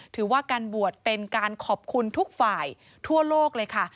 ถือว่าการบวชเป็นการขอบคุณทุกฝ่ายทั่วโลกเลยค่ะ